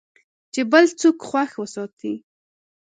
چې بل څوک خوښ وساتې .